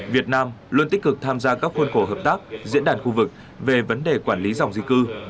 việt nam luôn tích cực tham gia các khuôn cổ hợp tác diễn đàn khu vực về vấn đề quản lý dòng di cư